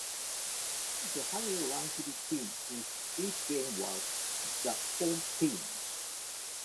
The higher ranked team in each game was the home team.